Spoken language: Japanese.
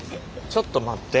ちょっと待って。